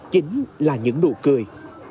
chính là những nụ cười